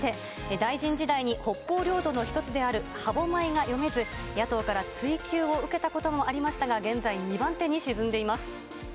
大臣時代に北方領土の一つである歯舞が読めず、野党から追及を受けたこともありましたが、現在、２番手に沈んでいます。